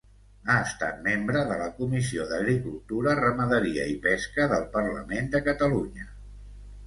Ha estat membre de la Comissió d'Agricultura, Ramaderia i Pesca del Parlament de Catalunya.